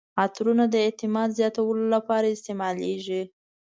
عطرونه د اعتماد زیاتولو لپاره استعمالیږي.